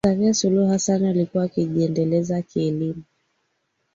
Samia Suluhu Hassan alikuwa akijiendeleza kielemu